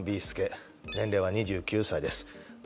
介年齢は２９歳です